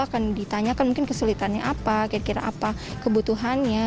akan ditanyakan mungkin kesulitannya apa kira kira apa kebutuhannya